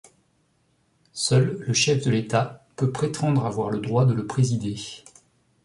Seul le chef de l'État peut prétendre avoir le droit de le présider.